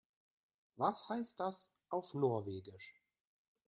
Was heißt das auf Norwegisch?